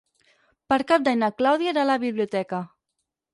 Per Cap d'Any na Clàudia irà a la biblioteca.